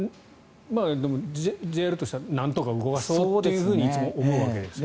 でも、ＪＲとしてはなんとか動かそうといつも思うわけですよね。